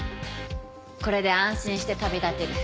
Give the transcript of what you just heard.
これで安心して旅立てる。